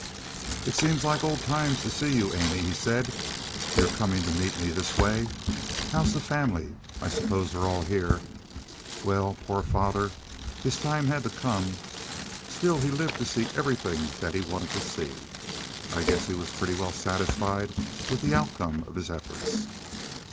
"It seems like old times to see you, Amy," he said, "your coming to meet me this way. How's the family? I suppose they're all here. Well, poor father, his time had to come. Still, he lived to see everything that he wanted to see. I guess he was pretty well satisfied with the outcome of his efforts."